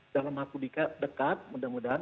dalam waktu dekat mudah mudahan